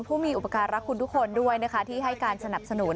ผู้มีอุปการรักคุณทุกคนด้วยนะคะที่ให้การสนับสนุน